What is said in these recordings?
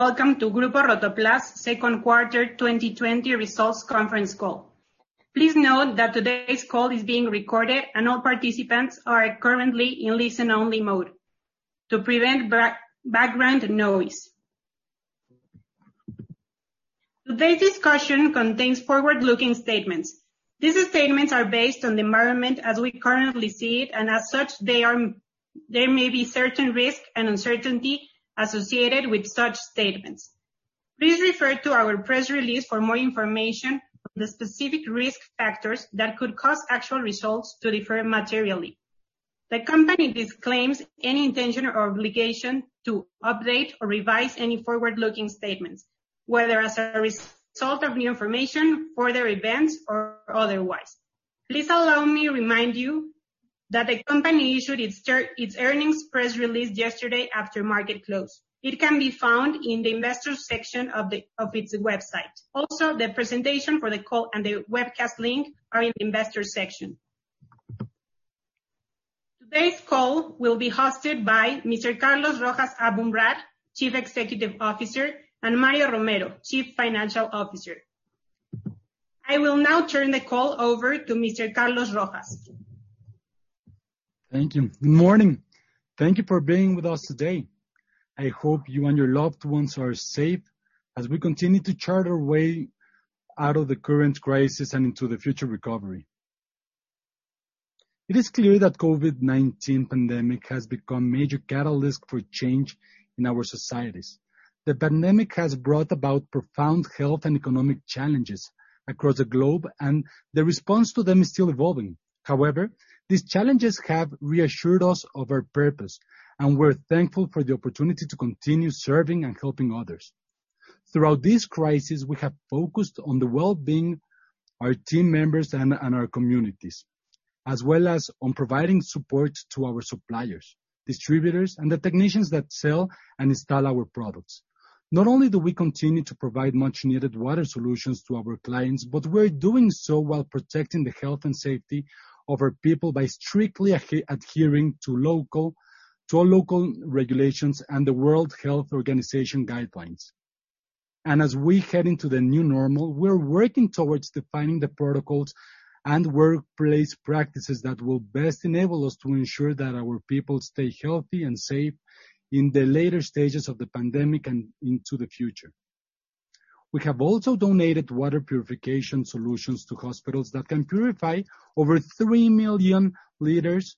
Welcome to Grupo Rotoplas second quarter 2020 results conference call. Please note that today's call is being recorded, and all participants are currently in listen-only mode to prevent background noise. Today's discussion contains forward-looking statements. These statements are based on the environment as we currently see it, and as such, there may be certain risks and uncertainty associated with such statements. Please refer to our press release for more information on the specific risk factors that could cause actual results to differ materially. The company disclaims any intention or obligation to update or revise any forward-looking statements, whether as a result of new information, further events, or otherwise. Please allow me to remind you that the company issued its earnings press release yesterday after market close. It can be found in the investor section of its website. Also, the presentation for the call and the webcast link are in the investor section. Today's call will be hosted by Mr. Carlos Rojas Aboumrad, Chief Executive Officer, and Mario Romero, Chief Financial Officer. I will now turn the call over to Mr. Carlos Rojas. Thank you. Good morning. Thank you for being with us today. I hope you and your loved ones are safe as we continue to chart our way out of the current crisis and into the future recovery. It is clear that COVID-19 pandemic has become a major catalyst for change in our societies. The pandemic has brought about profound health and economic challenges across the globe, and the response to them is still evolving. However, these challenges have reassured us of our purpose, and we're thankful for the opportunity to continue serving and helping others. Throughout this crisis, we have focused on the well-being our team members and our communities, as well as on providing support to our suppliers, distributors, and the technicians that sell and install our products. Not only do we continue to provide much-needed water solutions to our clients, but we're doing so while protecting the health and safety of our people by strictly adhering to our local regulations and the World Health Organization guidelines. As we head into the new normal, we're working towards defining the protocols and workplace practices that will best enable us to ensure that our people stay healthy and safe in the later stages of the pandemic and into the future. We have also donated water purification solutions to hospitals that can purify over 3 million liters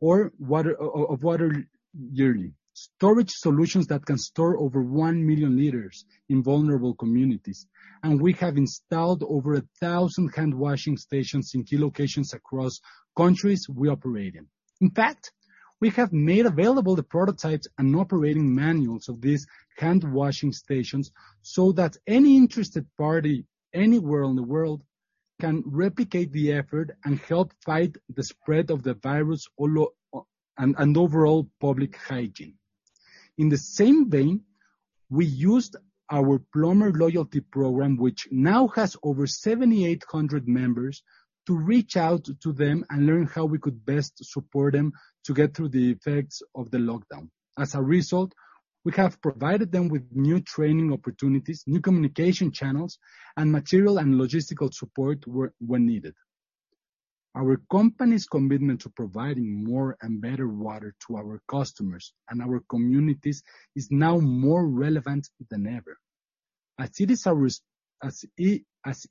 of water yearly, storage solutions that can store over 1 million liters in vulnerable communities, and we have installed over 1,000 handwashing stations in key locations across countries we operate in. In fact, we have made available the prototypes and operating manuals of these handwashing stations so that any interested party anywhere in the world can replicate the effort and help fight the spread of the virus and overall public hygiene. In the same vein, we used our plumber loyalty program, which now has over 7,800 members, to reach out to them and learn how we could best support them to get through the effects of the lockdown. As a result, we have provided them with new training opportunities, new communication channels, and material and logistical support when needed. Our company's commitment to providing more and better water to our customers and our communities is now more relevant than ever, as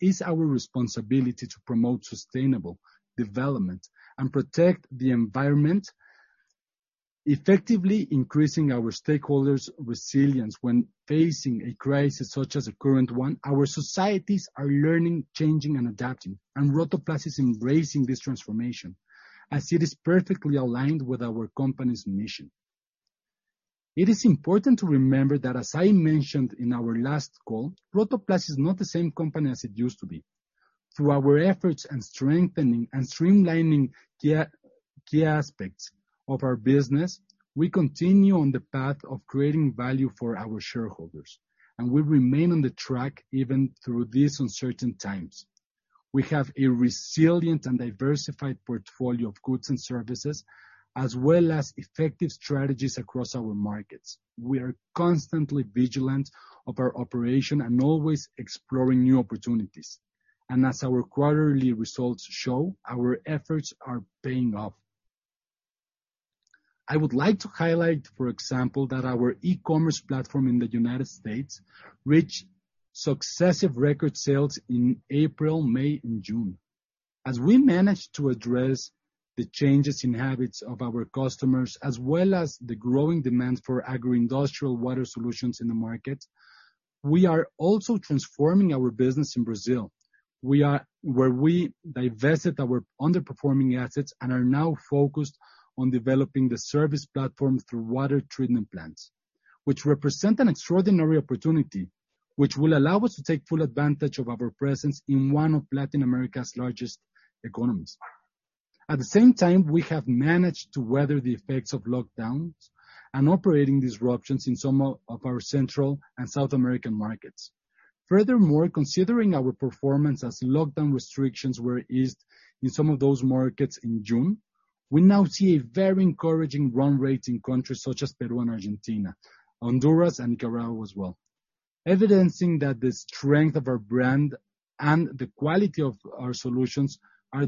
is our responsibility to promote sustainable development and protect the environment, effectively increasing our stakeholders' resilience when facing a crisis such as the current one. Our societies are learning, changing, and adapting, and Rotoplas is embracing this transformation as it is perfectly aligned with our company's mission. It is important to remember that, as I mentioned in our last call, Rotoplas is not the same company as it used to be. Through our efforts and streamlining key aspects of our business, we continue on the path of creating value for our shareholders, and we remain on the track even through these uncertain times. We have a resilient and diversified portfolio of goods and services, as well as effective strategies across our markets. We are constantly vigilant of our operation and always exploring new opportunities. As our quarterly results show, our efforts are paying off. I would like to highlight, for example, that our e-commerce platform in the United States reached successive record sales in April, May, and June. As we managed to address the changes in habits of our customers, as well as the growing demand for agro-industrial water solutions in the market, we are also transforming our business in Brazil, where we divested our underperforming assets and are now focused on developing the service platform through water treatment plants, which represent an extraordinary opportunity which will allow us to take full advantage of our presence in one of Latin America's largest economies. At the same time, we have managed to weather the effects of lockdowns and operating disruptions in some of our Central and South American markets. Furthermore, considering our performance as lockdown restrictions were eased in some of those markets in June, we now see a very encouraging run rate in countries such as Peru and Argentina, Honduras, and Nicaragua as well, evidencing that the strength of our brand and the quality of our solutions are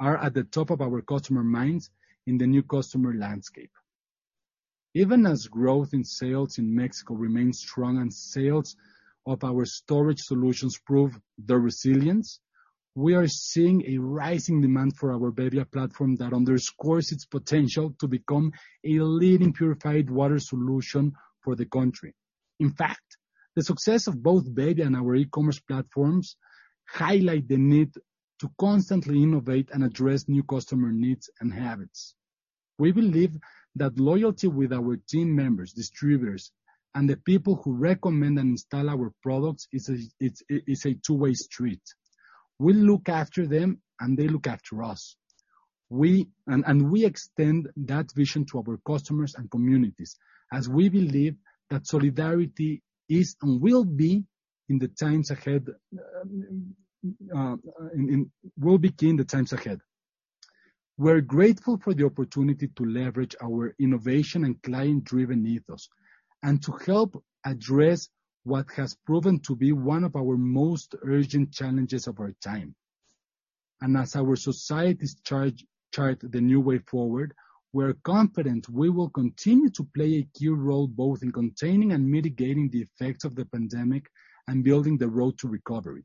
at the top of our customer minds in the new customer landscape. Even as growth in sales in Mexico remains strong and sales of our storage solutions prove their resilience, we are seeing a rising demand for our Bebbia platform that underscores its potential to become a leading purified water solution for the country. In fact, the success of both Bebbia and our e-commerce platforms highlight the need to constantly innovate and address new customer needs and habits. We believe that loyalty with our team members, distributors, and the people who recommend and install our products is a two-way street. We look after them and they look after us. We extend that vision to our customers and communities as we believe that solidarity is and will be in the times ahead. We're grateful for the opportunity to leverage our innovation and client-driven ethos, and to help address what has proven to be one of our most urgent challenges of our time. As our societies chart the new way forward, we're confident we will continue to play a key role, both in containing and mitigating the effects of the pandemic and building the road to recovery.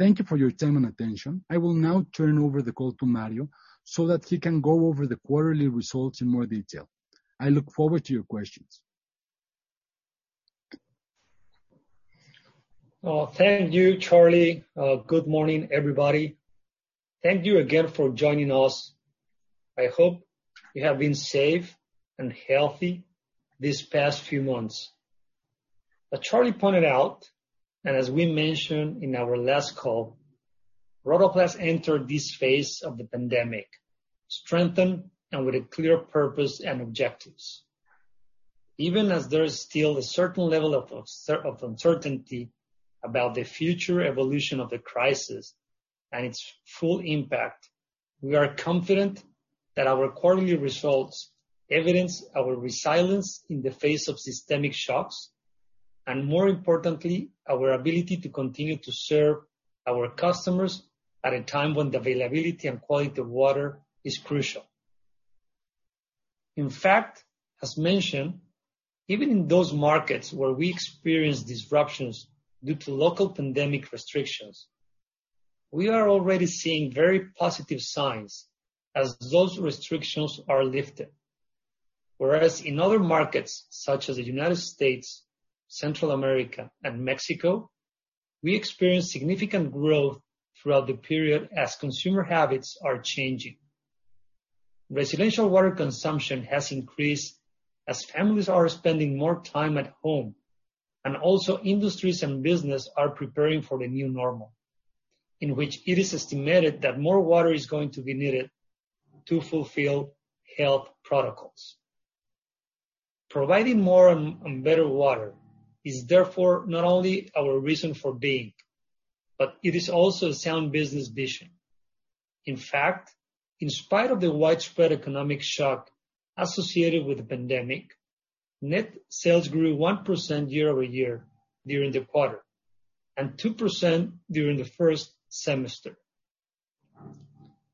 Thank you for your time and attention. I will now turn over the call to Mario so that he can go over the quarterly results in more detail. I look forward to your questions. Thank you, Carlos. Good morning, everybody. Thank you again for joining us. I hope you have been safe and healthy this past few months. As Carlos pointed out, and as we mentioned in our last call, Rotoplas entered this phase of the pandemic strengthened and with a clear purpose and objectives. Even as there is still a certain level of uncertainty about the future evolution of the crisis and its full impact, we are confident that our quarterly results evidence our resilience in the face of systemic shocks, and more importantly, our ability to continue to serve our customers at a time when the availability and quality of water is crucial. In fact, as mentioned, even in those markets where we experience disruptions due to local pandemic restrictions, we are already seeing very positive signs as those restrictions are lifted. Whereas in other markets such as the U.S., Central America, and Mexico, we experienced significant growth throughout the period as consumer habits are changing. Also industries and business are preparing for the new normal, in which it is estimated that more water is going to be needed to fulfill health protocols. Providing more and better water is therefore not only our reason for being, but it is also a sound business vision. In fact, in spite of the widespread economic shock associated with the pandemic, net sales grew 1% year-over-year during the quarter, and 2% during the first semester.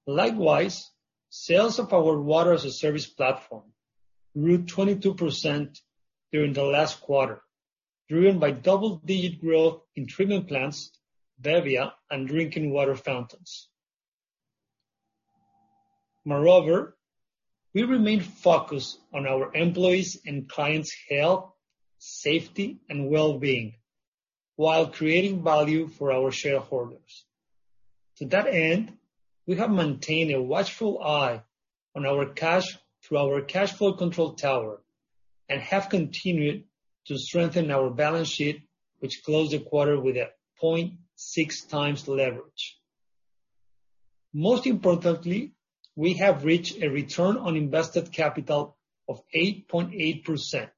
Likewise, sales of our water as a service platform grew 22% during the last quarter, driven by double-digit growth in treatment plants, Bebbia, and drinking water fountains. Moreover, we remain focused on our employees' and clients' health, safety, and well-being while creating value for our shareholders. To that end, we have maintained a watchful eye on our cash through our cash flow control tower and have continued to strengthen our balance sheet, which closed the quarter with a 0.6x leverage. Most importantly, we have reached a return on invested capital of 8.8%,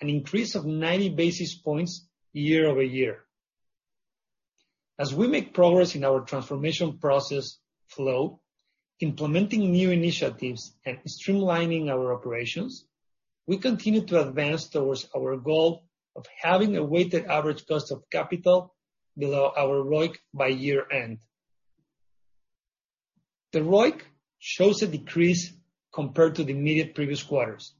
an increase of 90 basis points year-over-year. As we make progress in our transformation process Flow, implementing new initiatives and streamlining our operations, we continue to advance towards our goal of having a weighted average cost of capital below our ROIC by year-end. The ROIC shows a decrease compared to the immediate previous quarters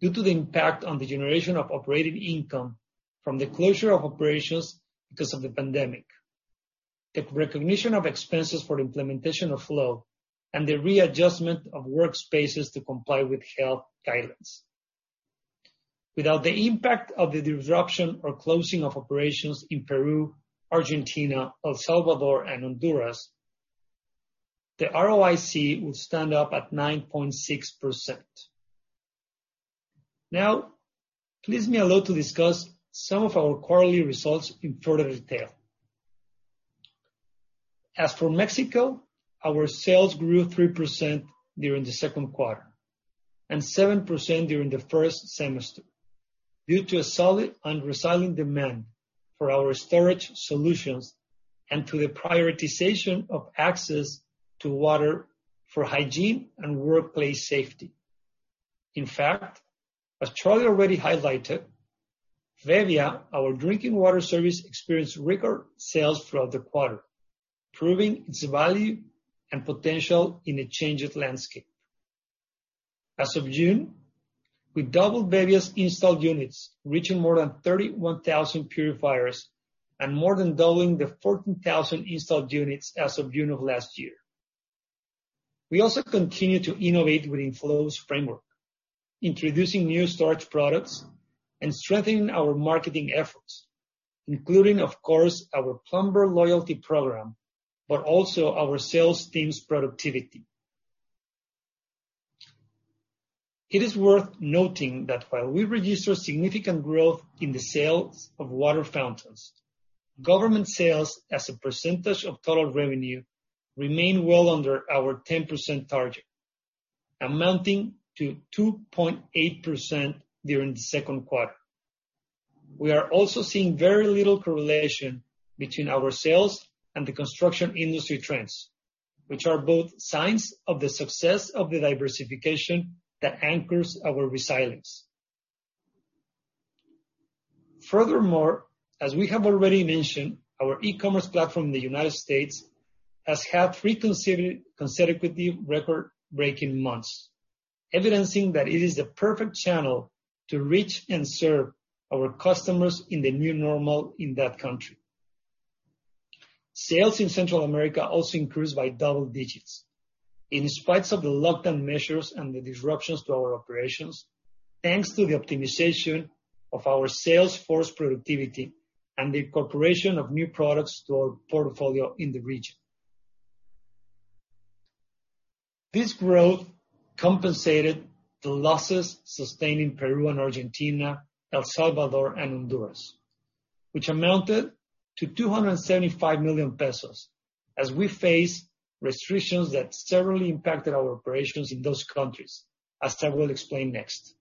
due to the impact on the generation of operating income from the closure of operations because of the pandemic, the recognition of expenses for the implementation of Flow, and the readjustment of workspaces to comply with health guidelines. Without the impact of the disruption or closing of operations in Peru, Argentina, El Salvador, and Honduras, the ROIC would stand up at 9.6%. Now, please me allow to discuss some of our quarterly results in further detail. As for Mexico, our sales grew 3% during the second quarter, and 7% during the first semester, due to a solid and resilient demand for our storage solutions and to the prioritization of access to water for hygiene and workplace safety. In fact, as Carlos already highlighted, Bebbia, our drinking water service, experienced record sales throughout the quarter, proving its value and potential in a changed landscape. As of June, we doubled Bebbia's installed units, reaching more than 31,000 purifiers and more than doubling the 14,000 installed units as of June of last year. We also continue to innovate within Flow's framework, introducing new storage products and strengthening our marketing efforts, including, of course, our plumber loyalty program, but also our sales team's productivity. It is worth noting that while we registered significant growth in the sales of water fountains, government sales as a percentage of total revenue remain well under our 10% target, amounting to 2.8% during the second quarter. We are also seeing very little correlation between our sales and the construction industry trends, which are both signs of the success of the diversification that anchors our resilience. Furthermore, as we have already mentioned, our e-commerce platform in the United States has had three consecutive record-breaking months, evidencing that it is the perfect channel to reach and serve our customers in the new normal in that country. Sales in Central America also increased by double digits in spite of the lockdown measures and the disruptions to our operations, thanks to the optimization of our sales force productivity and the incorporation of new products to our portfolio in the region. This growth compensated the losses sustained in Peru and Argentina, El Salvador, and Honduras, which amounted to 275 million pesos as we face restrictions that severely impacted our operations in those countries, as I will explain next.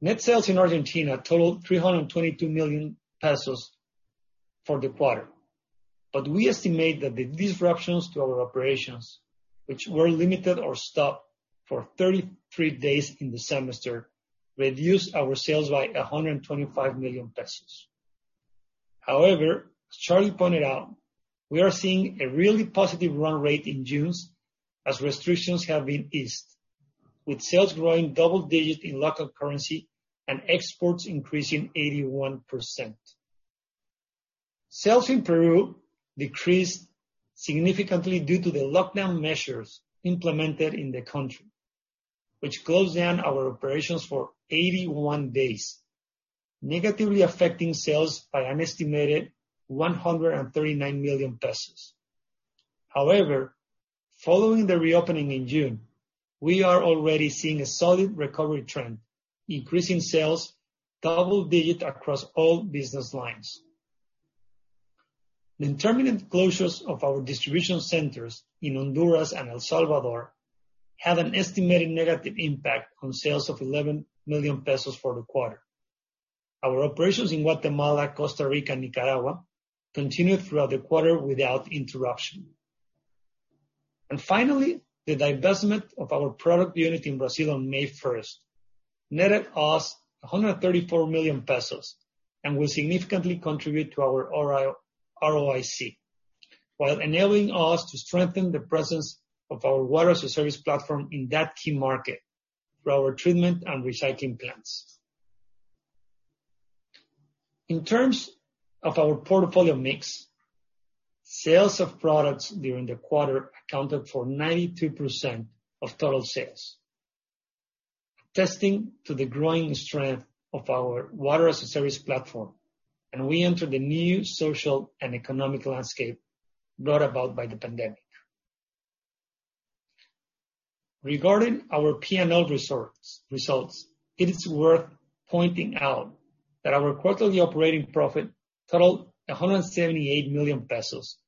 Net sales in Argentina totaled 322 million pesos for the quarter, but we estimate that the disruptions to our operations, which were limited or stopped for 33 days in the semester, reduced our sales by 125 million pesos. As Carlos pointed out, we are seeing a really positive run rate in June as restrictions have been eased, with sales growing double digits in local currency and exports increasing 81%. Sales in Peru decreased significantly due to the lockdown measures implemented in the country, which closed down our operations for 81 days, negatively affecting sales by an estimated 139 million pesos. Following the reopening in June, we are already seeing a solid recovery trend, increasing sales double digits across all business lines. The intermittent closures of our distribution centers in Honduras and El Salvador had an estimated negative impact on sales of 11 million pesos for the quarter. Our operations in Guatemala, Costa Rica, and Nicaragua continued throughout the quarter without interruption. Finally, the divestment of our product unit in Brazil on May 1st netted us 134 million pesos and will significantly contribute to our ROIC, while enabling us to strengthen the presence of our water as a service platform in that key market through our treatment and recycling plants. In terms of our portfolio mix, sales of products during the quarter accounted for 92% of total sales, attesting to the growing strength of our water as a service platform, and we enter the new social and economic landscape brought about by the pandemic. Regarding our P&L results, it is worth pointing out that our quarterly operating profit totaled 178 million pesos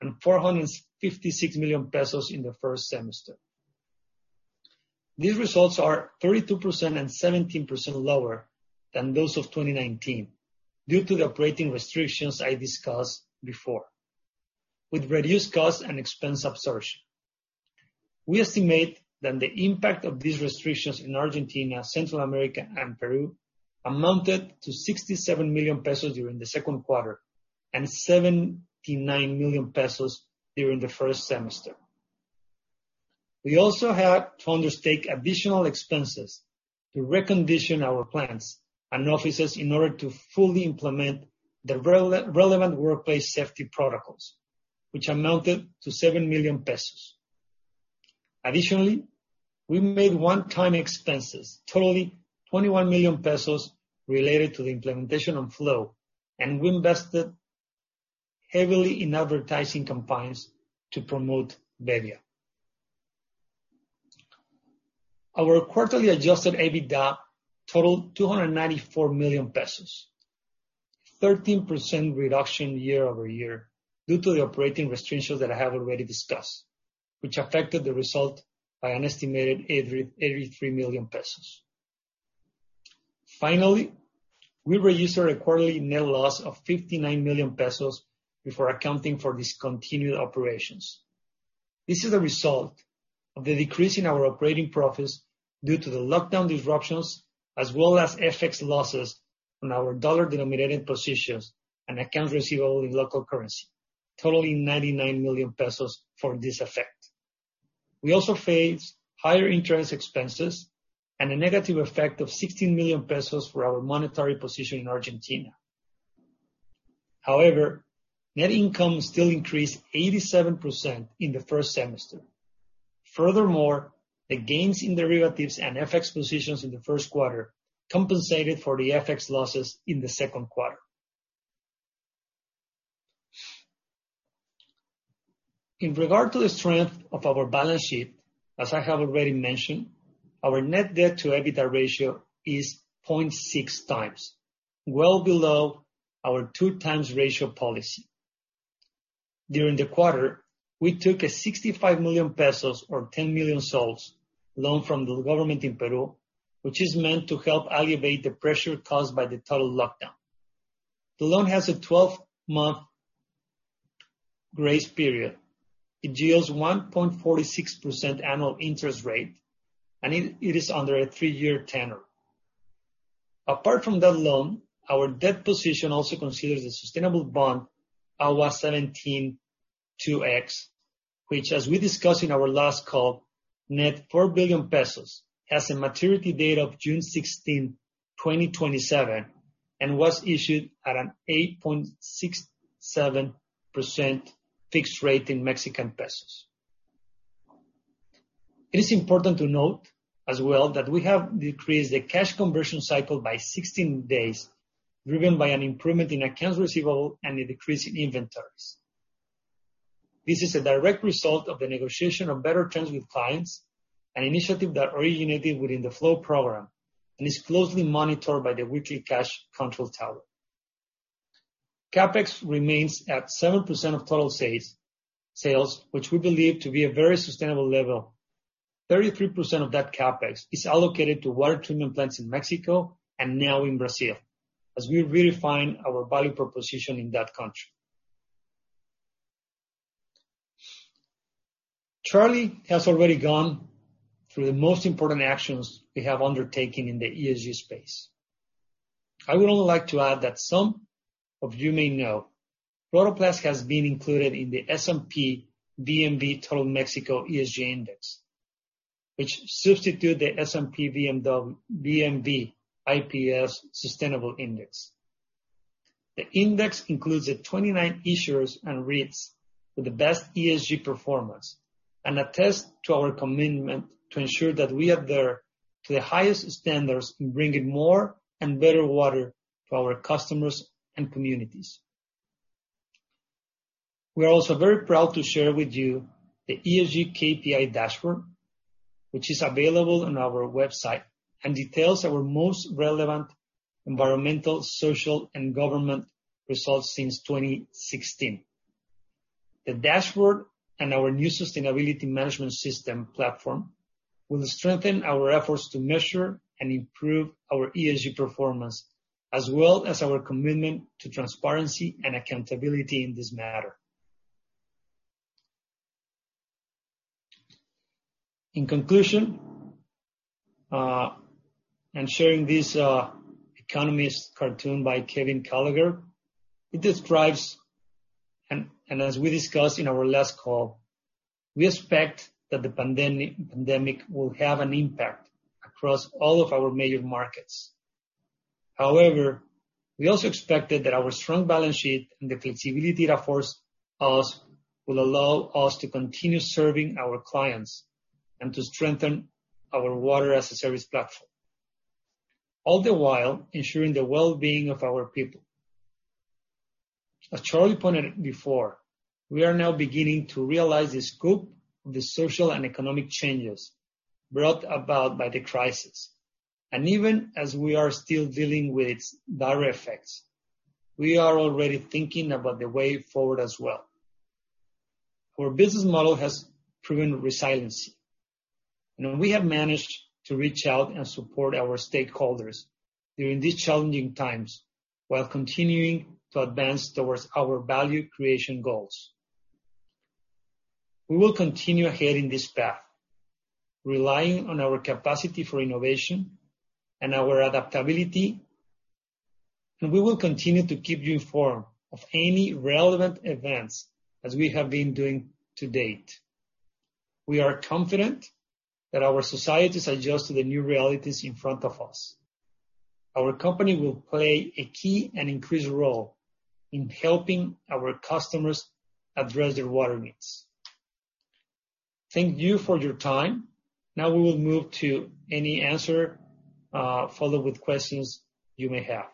and 456 million pesos in the first semester. These results are 32% and 17% lower than those of 2019 due to the operating restrictions I discussed before, with reduced cost and expense absorption. We estimate that the impact of these restrictions in Argentina, Central America, and Peru amounted to 67 million pesos during the second quarter and 79 million pesos during the first semester. We also had to undertake additional expenses to recondition our plants and offices in order to fully implement the relevant workplace safety protocols, which amounted to 7 million pesos. Additionally, we made one-time expenses totaling 21 million pesos related to the implementation of Flow, and we invested heavily in advertising campaigns to promote Bebbia. Our quarterly adjusted EBITDA totaled 294 million pesos, 13% reduction year-over-year due to the operating restrictions that I have already discussed, which affected the result by an estimated 83 million pesos. Finally, we reduced our quarterly net loss of 59 million pesos before accounting for discontinued operations. This is a result of the decrease in our operating profits due to the lockdown disruptions, as well as FX losses on our dollar-denominated positions and accounts receivable in local currency, totaling 99 million pesos for this effect. We also faced higher interest expenses and a negative effect of 16 million pesos for our monetary position in Argentina. Net income still increased 87% in the first semester. The gains in derivatives and FX positions in the first quarter compensated for the FX losses in the second quarter. In regard to the strength of our balance sheet, as I have already mentioned, our net debt to EBITDA ratio is 0.6x, well below our two times ratio policy. During the quarter, we took a 65 million pesos or PEN 10 million soles loan from the government in Peru, which is meant to help alleviate the pressure caused by the total lockdown. The loan has a 12-month grace period. It yields 1.46% annual interest rate, and it is under a three-year tenure. Apart from that loan, our debt position also considers the sustainable bond, AGUA17-2X, which, as we discussed in our last call, net 4 billion pesos, has a maturity date of June 16, 2027, and was issued at an 8.67% fixed rate in Mexican pesos. It is important to note as well that we have decreased the cash conversion cycle by 16 days, driven by an improvement in accounts receivable and a decrease in inventories. This is a direct result of the negotiation of better terms with clients, an initiative that originated within the Flow program and is closely monitored by the weekly cash flow control tower. CapEx remains at 7% of total sales, which we believe to be a very sustainable level. 33% of that CapEx is allocated to water treatment plants in Mexico and now in Brazil, as we refine our value proposition in that country. Carlos has already gone through the most important actions we have undertaken in the ESG space. I would only like to add that some of you may know, Rotoplas has been included in the S&P/BMV Total Mexico ESG Index, which substitute the S&P/BMV IPC Sustainable Index. The index includes the 29 issuers and REITs with the best ESG performance and attest to our commitment to ensure that we are there to the highest standards in bringing more and better water to our customers and communities. We are also very proud to share with you the ESG KPI dashboard, which is available on our website and details our most relevant environmental, social, and government results since 2016. The dashboard and our new sustainability management system platform will strengthen our efforts to measure and improve our ESG performance, as well as our commitment to transparency and accountability in this matter. In conclusion, sharing this Economist cartoon by Kevin Kallaugher, as we discussed in our last call, we expect that the pandemic will have an impact across all of our major markets. However, we also expected that our strong balance sheet and the flexibility that affords us will allow us to continue serving our clients and to strengthen our water-as-a-service platform, all the while ensuring the well-being of our people. As Carlos pointed before, we are now beginning to realize the scope of the social and economic changes brought about by the crisis. Even as we are still dealing with its dire effects, we are already thinking about the way forward as well. Our business model has proven resiliency, and we have managed to reach out and support our stakeholders during these challenging times while continuing to advance towards our value creation goals. We will continue ahead in this path, relying on our capacity for innovation and our adaptability, and we will continue to keep you informed of any relevant events as we have been doing to date. We are confident that our societies adjust to the new realities in front of us. Our company will play a key and increased role in helping our customers address their water needs. Thank you for your time. Now we will move to any answer, followed with questions you may have.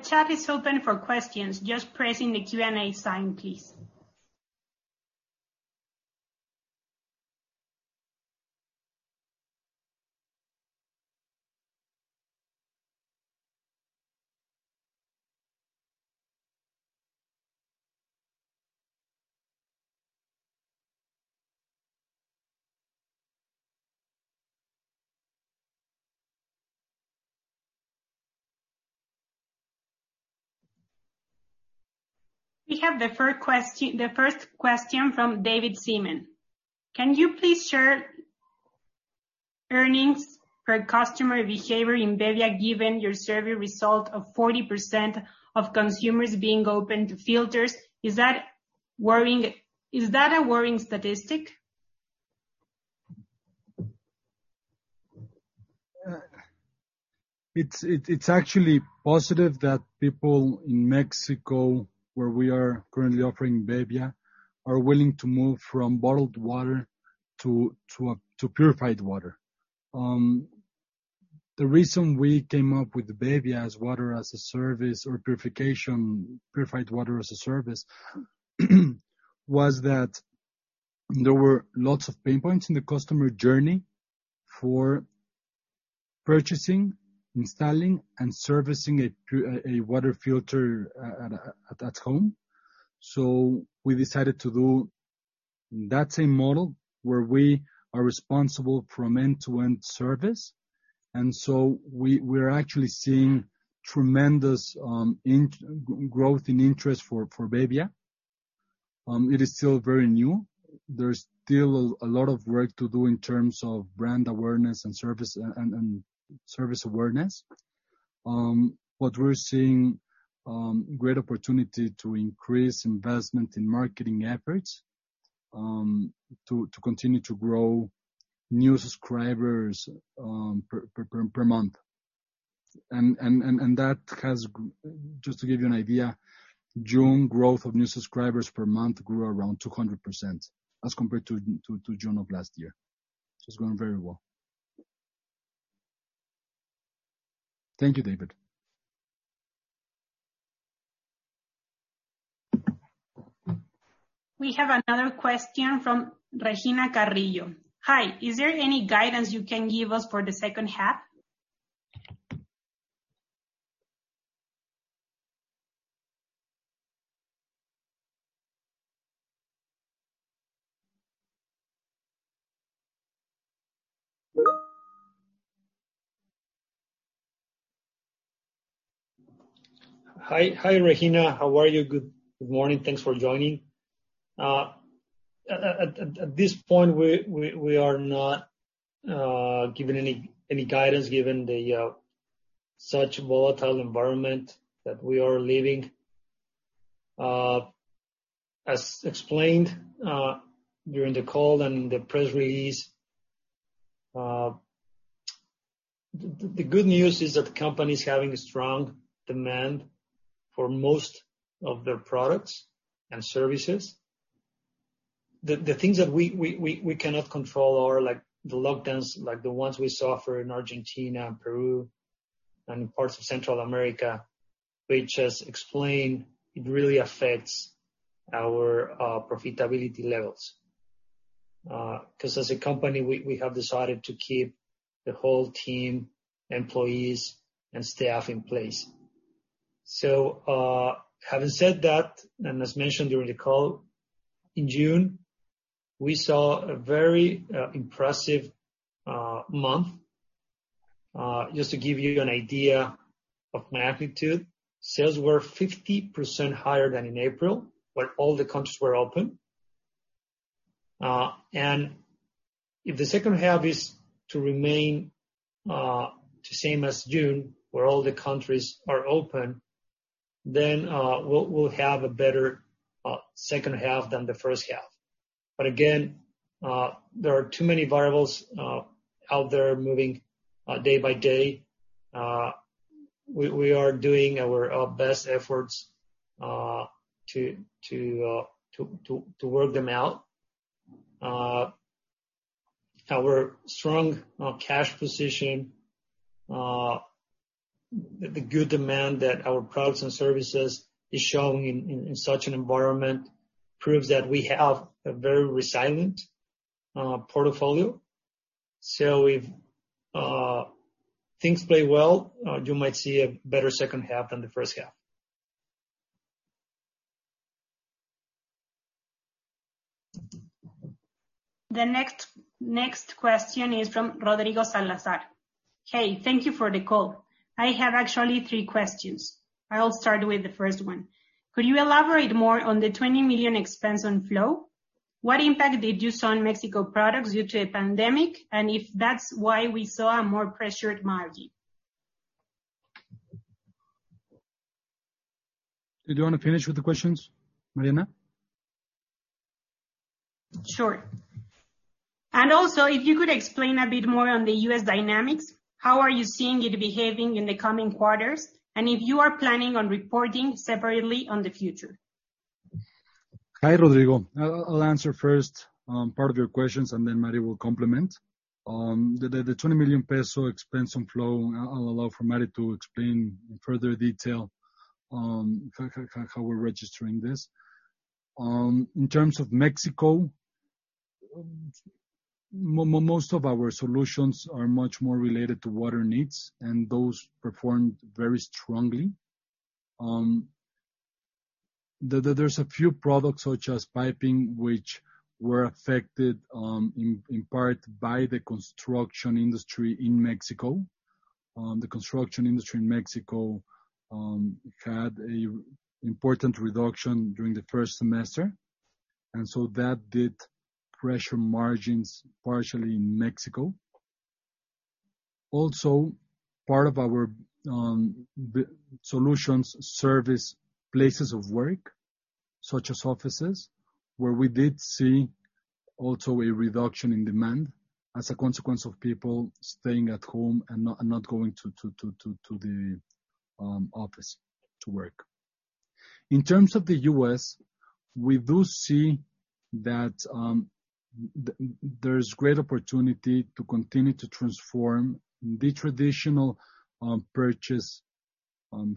The chat is open for questions. Just press in the Q&A sign, please. We have the first question from David Seaman. Can you please share earnings per customer behavior in Bebbia, given your survey result of 40% of consumers being open to filters? Is that a worrying statistic? It's actually positive that people in Mexico, where we are currently offering Bebbia, are willing to move from bottled water to purified water. The reason we came up with Bebbia as water as a service or purified water as a service was that there were lots of pain points in the customer journey for purchasing, installing, and servicing a water filter at home. We decided to do that same model where we are responsible for an end-to-end service. We're actually seeing tremendous growth and interest for Bebbia. It is still very new. There's still a lot of work to do in terms of brand awareness and service awareness. What we're seeing, great opportunity to increase investment in marketing efforts, to continue to grow new subscribers per month. Just to give you an idea, June growth of new subscribers per month grew around 200% as compared to June of last year. It's going very well. Thank you, David. We have another question from Regina Carrillo. Hi. Is there any guidance you can give us for the second half? Hi, Regina. How are you? Good morning. Thanks for joining. At this point, we are not giving any guidance given such volatile environment that we are living. As explained during the call and the press release, the good news is that the company is having a strong demand for most of their products and services. The things that we cannot control are the lockdowns, like the ones we saw in Argentina and Peru and parts of Central America, which, as explained, it really affects our profitability levels. As a company, we have decided to keep the whole team, employees, and staff in place. Having said that, and as mentioned during the call, in June, we saw a very impressive month. Just to give you an idea of magnitude, sales were 50% higher than in April, when all the countries were open. If the second half is to remain the same as June, where all the countries are open, then we'll have a better second half than the first half. Again, there are too many variables out there moving day-by-day. We are doing our best efforts to work them out. Our strong cash position, the good demand that our products and services is showing in such an environment proves that we have a very resilient portfolio. If things play well, you might see a better second half than the first half. The next question is from Rodrigo Salazar. Hey, thank you for the call. I have actually three questions. I'll start with the first one. Could you elaborate more on the 20 million expense on Flow? What impact did you see in Mexico products due to the pandemic, and if that's why we saw a more pressured margin? Did you want to finish with the questions, Mariana? Sure. Also, if you could explain a bit more on the U.S. dynamics, how are you seeing it behaving in the coming quarters? If you are planning on reporting separately on the future? Hi, Rodrigo. I'll answer first part of your questions, and then Mario will complement. The 20 million peso expense on Flow, I'll allow for Mario to explain in further detail on how we're registering this. In terms of Mexico, most of our solutions are much more related to water needs, and those performed very strongly. There's a few products, such as piping, which were affected in part by the construction industry in Mexico. The construction industry in Mexico had an important reduction during the first semester, and so that did pressure margins partially in Mexico. Also, part of our solutions service places of work, such as offices, where we did see also a reduction in demand as a consequence of people staying at home and not going to the office to work. In terms of the U.S., we do see that there's great opportunity to continue to transform the traditional purchase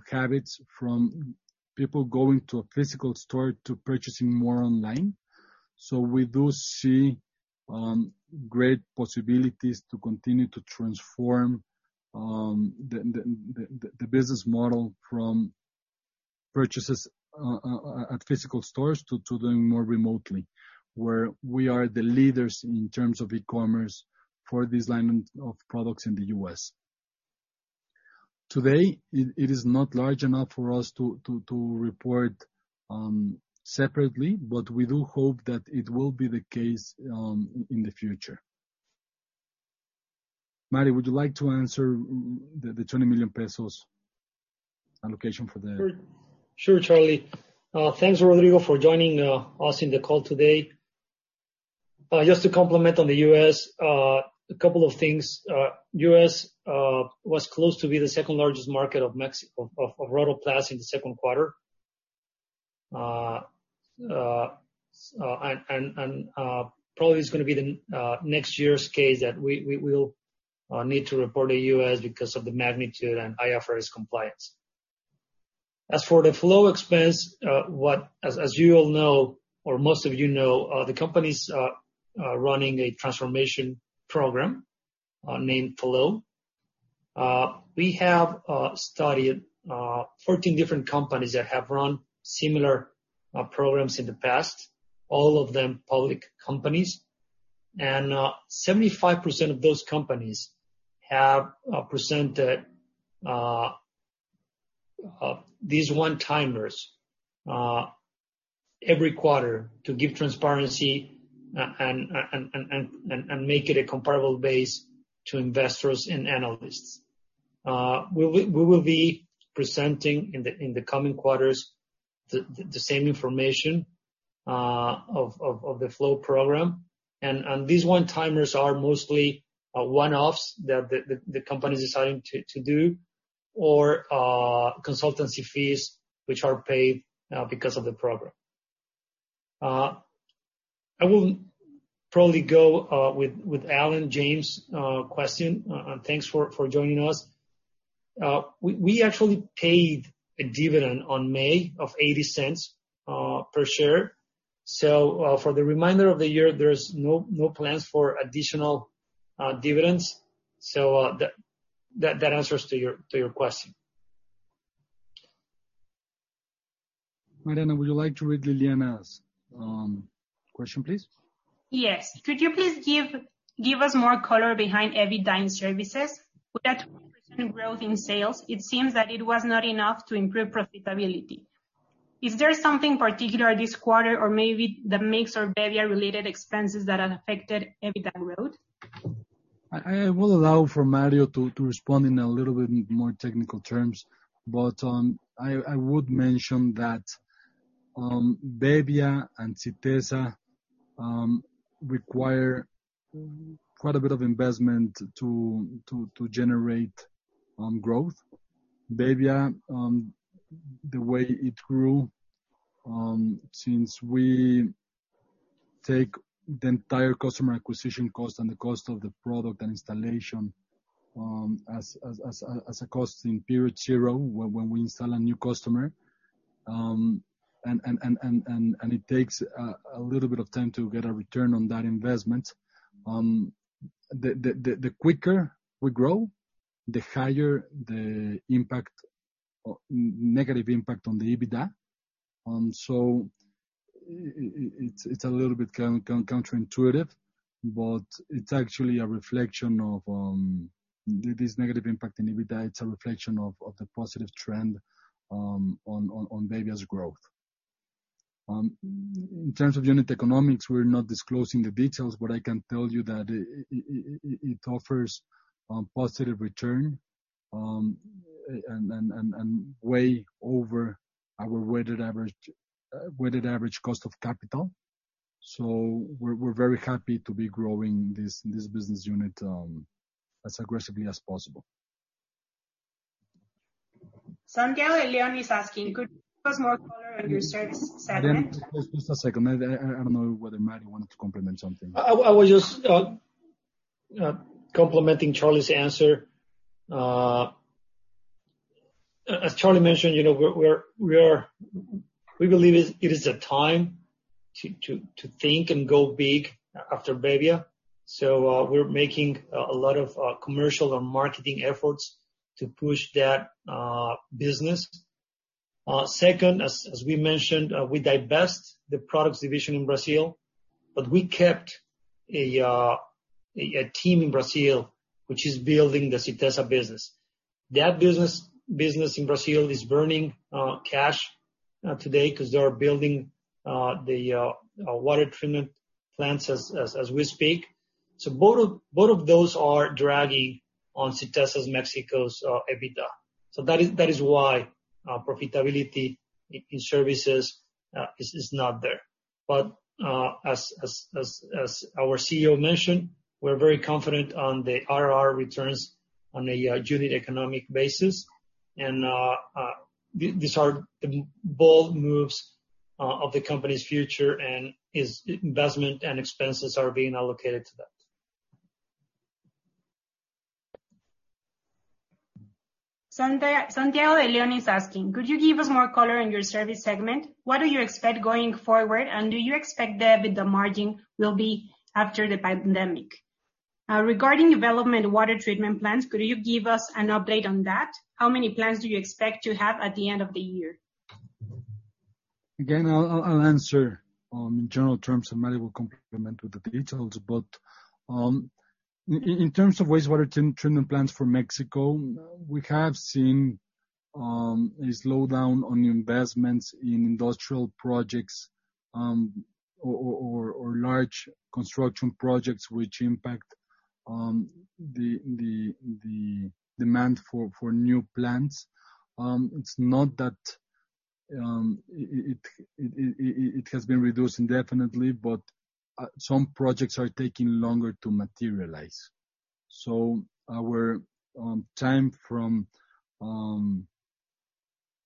habits from people going to a physical store to purchasing more online. We do see great possibilities to continue to transform the business model from purchases at physical stores to doing more remotely, where we are the leaders in terms of e-commerce for this line of products in the U.S. Today, it is not large enough for us to report separately, but we do hope that it will be the case in the future. Mario, would you like to answer the MXN 20 million allocation. Sure, Carlos. Thanks, Rodrigo, for joining us in the call today. Just to complement on the U.S., a couple of things. U.S. was close to be the second-largest market of Rotoplas in the second quarter. Probably is going to be the next year's case that we will need to report to U.S. because of the magnitude and IFRS compliance. As for the FLOW expense, as you all know, or most of you know, the company's running a transformation program, named FLOW. We have studied 14 different companies that have run similar programs in the past, all of them public companies. 75% of those companies have presented these one-timers every quarter to give transparency and make it a comparable base to investors and analysts. We will be presenting in the coming quarters the same information of the FLOW program. These one-timers are mostly one-offs that the company is deciding to do or consultancy fees which are paid because of the program. I will probably go with Alan James' question. Thanks for joining us. We actually paid a dividend on May of 0.80 per share. For the reminder of the year, there's no plans for additional dividends. That answers to your question. Mariana, would you like to read Liliana's question, please? Yes. Could you please give us more color behind EBITDA services? With that 20% growth in sales, it seems that it was not enough to improve profitability. Is there something particular this quarter or maybe the mix or Bebbia-related expenses that have affected EBITDA growth? I will allow for Mario to respond in a little bit more technical terms, but I would mention that Bebbia and Sytesa require quite a bit of investment to generate growth. Bebbia, the way it grew, since we take the entire customer acquisition cost and the cost of the product and installation as a cost in period zero when we install a new customer, and it takes a little bit of time to get a return on that investment. The quicker we grow, the higher the negative impact on the EBITDA. It's a little bit counterintuitive, but it's actually a reflection of this negative impact in EBITDA. It's a reflection of the positive trend on Bebbia's growth. In terms of unit economics, we're not disclosing the details, but I can tell you that it offers positive return, and way over our weighted average cost of capital. We're very happy to be growing this business unit as aggressively as possible. Santiago Leon is asking, could you give us more color on your service segment? Just a second. I don't know whether Mario wanted to complement something. I was just complementing Carlos's answer. As Carlos mentioned, we believe it is the time to think and go big after Bebbia. We're making a lot of commercial and marketing efforts to push that business. Second, as we mentioned, we divested the products division in Brazil, but we kept a team in Brazil, which is building the Sytesa business. That business in Brazil is burning cash today because they are building the water treatment plants as we speak. Both of those are dragging on Sytesa's Mexico's EBITDA. That is why profitability in services is not there. As our CEO mentioned, we're very confident on the ROIC returns on a unit economic basis, and these are bold moves of the company's future, and its investment and expenses are being allocated to that. Santiago Leon is asking, could you give us more color on your service segment? What do you expect going forward, and do you expect the EBITDA margin will be after the pandemic? Regarding development water treatment plans, could you give us an update on that? How many plans do you expect to have at the end of the year? I'll answer in general terms, and Mario will complement with the details. In terms of wastewater treatment plants for Mexico, we have seen a slowdown on investments in industrial projects or large construction projects, which impact on the demand for new plants. It's not that it has been reduced indefinitely, but some projects are taking longer to materialize. Our time from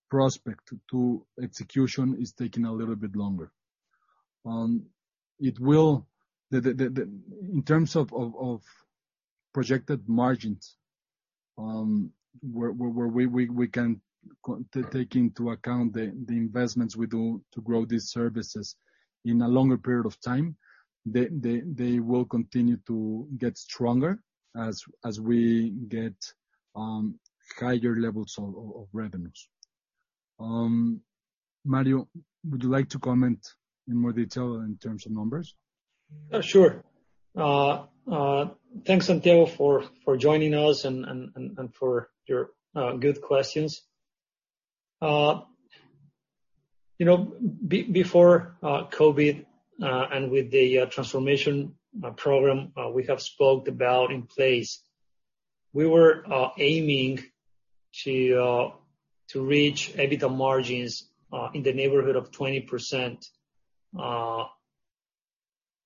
prospect to execution is taking a little bit longer. In terms of projected margins, where we can take into account the investments we do to grow these services in a longer period of time, they will continue to get stronger as we get higher levels of revenues. Mario, would you like to comment in more detail in terms of numbers? Sure. Thanks, Santiago, for joining us and for your good questions. Before COVID, and with the transformation program we have spoke about in place, we were aiming to reach EBITDA margins in the neighborhood of 20% on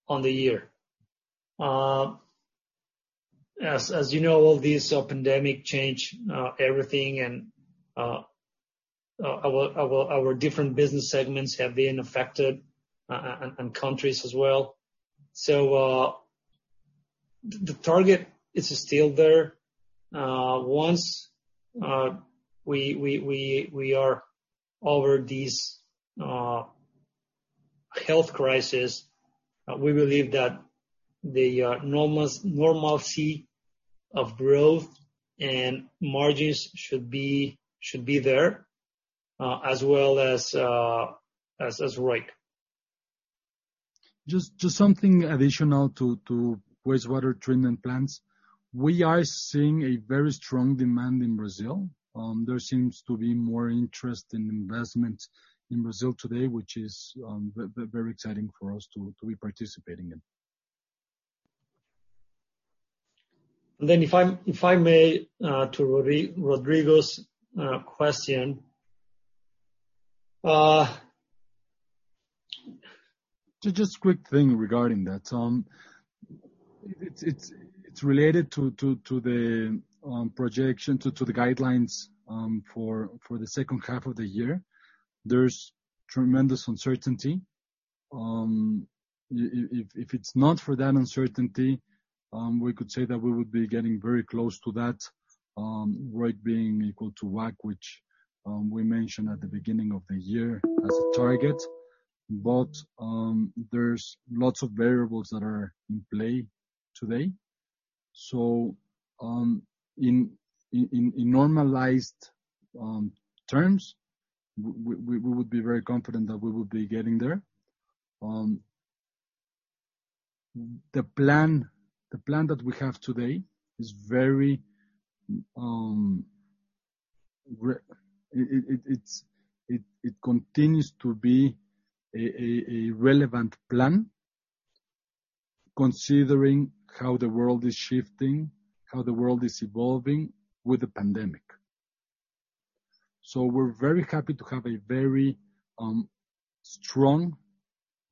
the year. As you know, this pandemic changed everything, and our different business segments have been affected, and countries as well. The target is still there. Once we are over this health crisis, we believe that the normalcy of growth and margins should be there, as well as ROIC. Just something additional to wastewater treatment plants. We are seeing a very strong demand in Brazil. There seems to be more interest in investment in Brazil today, which is very exciting for us to be participating in. If I may, to Rodrigo's question. Just quick thing regarding that. It's related to the projection, to the guidelines for the second half of the year. There's tremendous uncertainty. If it's not for that uncertainty, we could say that we would be getting very close to that, ROIC being equal to WACC, which we mentioned at the beginning of the year as a target. There's lots of variables that are in play today. In normalized terms, we would be very confident that we will be getting there. The plan that we have today, it continues to be a relevant plan considering how the world is shifting, how the world is evolving with the pandemic. We're very happy to have a very strong,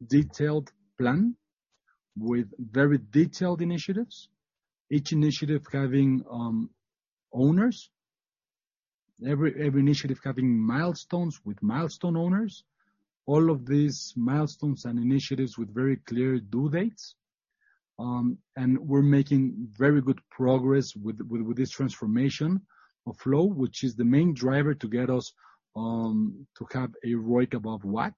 detailed plan with very detailed initiatives. Each initiative having owners, every initiative having milestones with milestone owners, all of these milestones and initiatives with very clear due dates. We're making very good progress with this transformation of Flow, which is the main driver to get us to have a ROIC above WACC.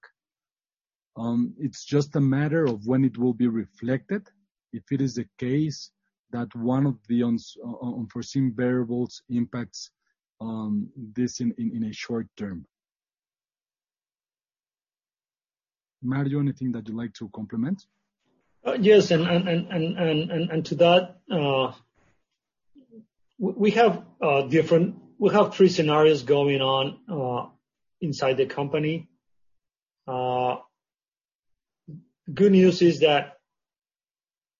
It's just a matter of when it will be reflected, if it is the case that one of the unforeseen variables impacts this in a short term. Mario, anything that you'd like to complement? Yes, to that, we have three scenarios going on inside the company. Good news is that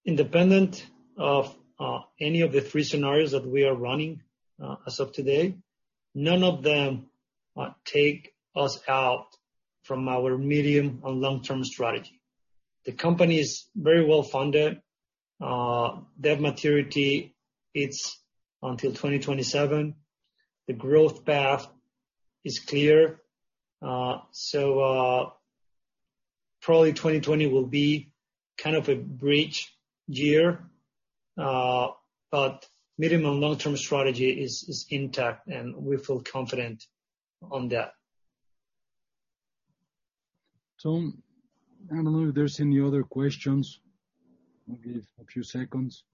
independent of any of the three scenarios that we are running as of today, none of them take us out from our medium or long-term strategy. The company is very well-funded. Debt maturity, it's until 2027. The growth path is clear. Probably 2020 will be kind of a bridge year. Medium and long-term strategy is intact, and we feel confident on that. I don't know if there's any other questions. I'll give a few seconds.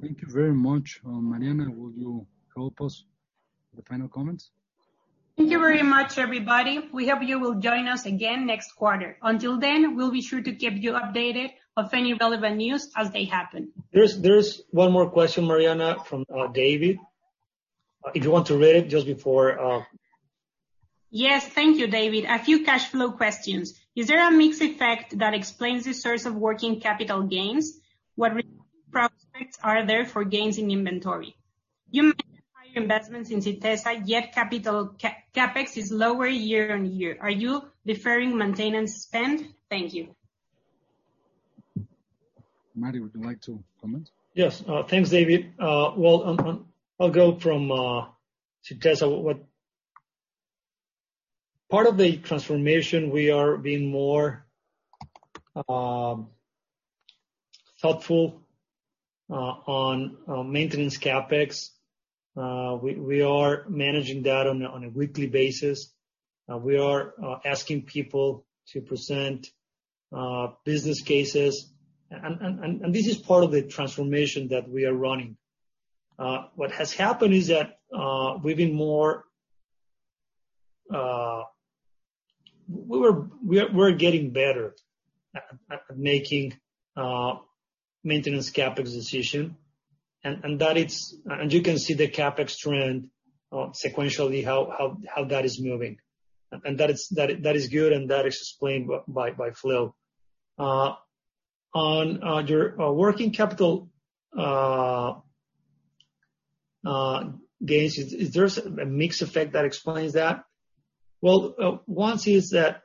Thank you very much. Mariana, will you help us with the final comments? Thank you very much, everybody. We hope you will join us again next quarter. Until then, we'll be sure to keep you updated of any relevant news as they happen. There's one more question, Mariana, from David. If you want to read it just before. Yes. Thank you, David. A few cash flow questions. Is there a mix effect that explains the source of working capital gains? What return prospects are there for gains in inventory? You made higher investments in Sytesa, yet CapEx is lower year-on-year. Are you deferring maintenance spend? Thank you. Mario, would you like to comment? Yes. Thanks, David. Well, I'll go from Sytesa. Part of the transformation, we are being more thoughtful on maintenance CapEx. We are managing that on a weekly basis. We are asking people to present business cases. This is part of the transformation that we are running. What has happened is that we're getting better at making maintenance CapEx decision. You can see the CapEx trend sequentially how that is moving. That is good. That is explained by Flow. On your working capital gains, is there a mix effect that explains that? Well, one is that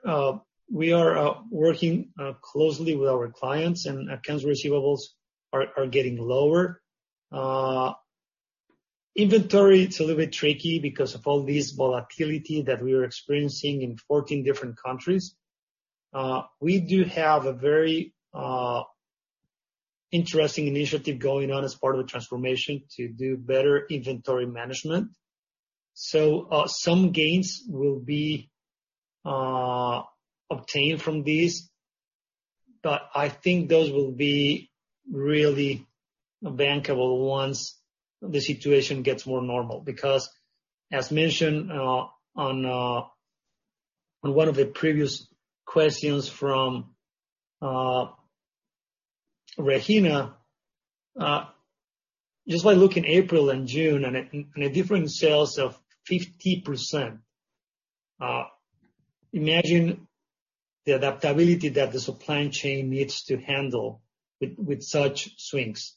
we are working closely with our clients. Accounts receivables are getting lower. Inventory, it's a little bit tricky because of all this volatility that we are experiencing in 14 different countries. We do have a very interesting initiative going on as part of the transformation to do better inventory management. Some gains will be obtained from this, but I think those will be really bankable once the situation gets more normal. As mentioned on one of the previous questions from Regina, just by looking April and June and a difference in sales of 50%, imagine the adaptability that the supply chain needs to handle with such swings.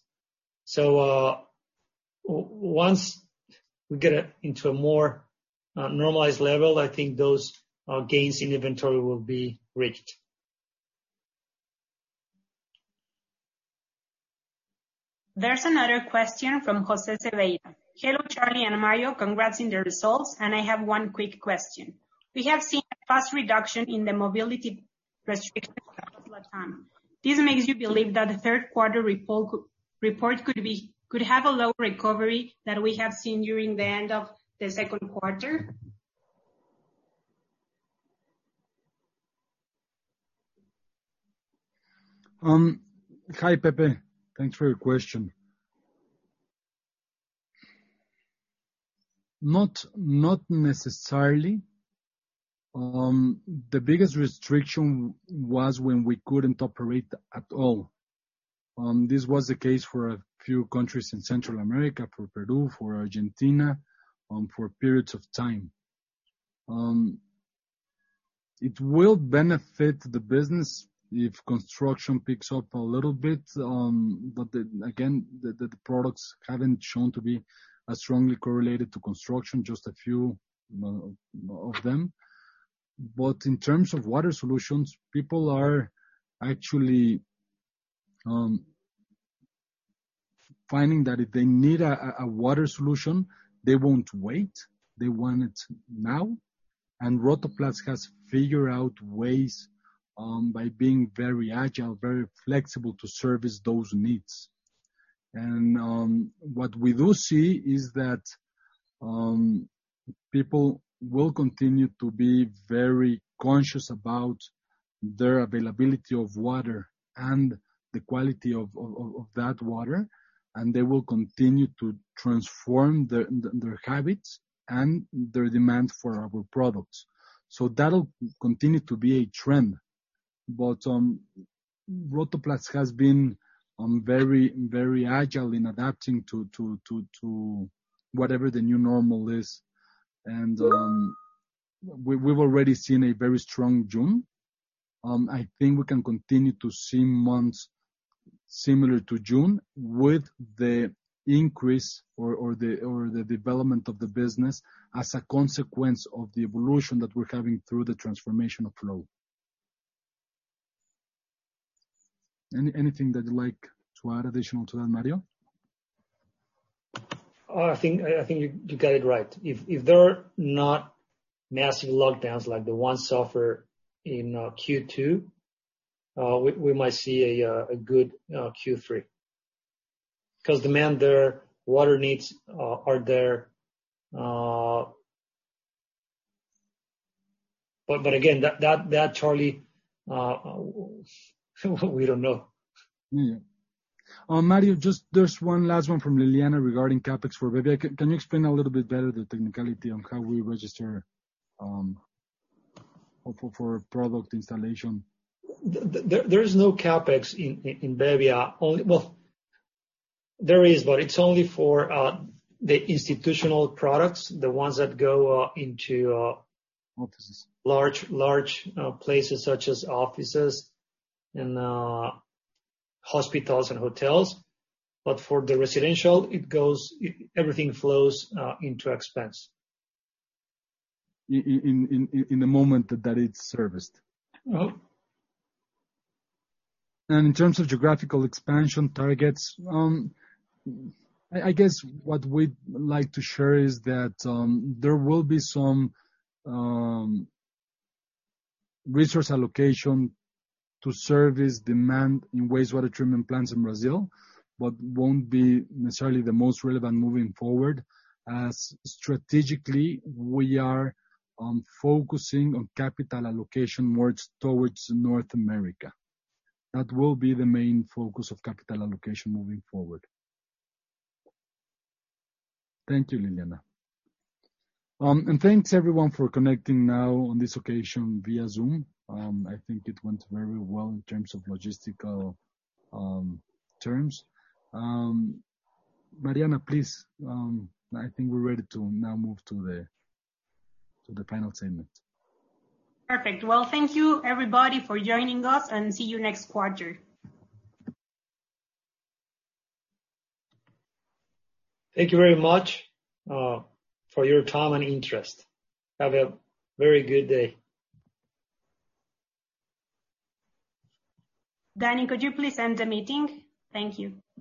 Once we get into a more normalized level, I think those gains in inventory will be reaped. There's another question from José Zepeda. "Hello, Carlos and Mario. Congrats in the results. I have one quick question. We have seen a fast reduction in the mobility restrictions across Latin. This makes you believe that the third quarter report could have a low recovery that we have seen during the end of the second quarter? Hi, Pepe. Thanks for your question. Not necessarily. The biggest restriction was when we couldn't operate at all. This was the case for a few countries in Central America, for Peru, for Argentina, for periods of time. It will benefit the business if construction picks up a little bit. Again, the products haven't shown to be as strongly correlated to construction, just a few of them. In terms of water solutions, people are actually finding that if they need a water solution, they won't wait, they want it now. Rotoplas has figured out ways, by being very agile, very flexible to service those needs. What we do see is that people will continue to be very conscious about their availability of water and the quality of that water, and they will continue to transform their habits and their demand for our products. That'll continue to be a trend. Rotoplas has been very agile in adapting to whatever the new normal is, and we've already seen a very strong June. I think we can continue to see months similar to June with the increase or the development of the business as a consequence of the evolution that we're having through the transformation of Flow. Anything that you'd like to add additional to that, Mario? I think you got it right. If there are not massive lockdowns like the ones suffered in Q2, we might see a good Q3. Because demand there, water needs are there. Again, that, Carlos, we don't know. Yeah. Mario, just there's one last one from Liliana regarding CapEx for Bebbia. Can you explain a little bit better the technicality on how we register for product installation? There's no CapEx in Bebbia. Well, there is, but it's only for the institutional products, the ones that go into. Offices. Large places such as offices and hospitals and hotels. For the residential, everything flows into expense. In the moment that it's serviced. Yeah. In terms of geographical expansion targets, I guess what we'd like to share is that there will be some resource allocation to service demand in wastewater treatment plants in Brazil, but won't be necessarily the most relevant moving forward as strategically we are focusing on capital allocation towards North America. That will be the main focus of capital allocation moving forward. Thank you, Mariana. Thanks everyone for connecting now on this occasion via Zoom. I think it went very well in terms of logistical terms. Mariana, please, I think we're ready to now move to the final statement. Perfect. Well, thank you everybody for joining us, and see you next quarter. Thank you very much for your time and interest. Have a very good day. Danny, could you please end the meeting? Thank you.